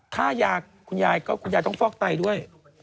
ค่ายาคุณยายก็คุณยายต้องฟอกไตด้วย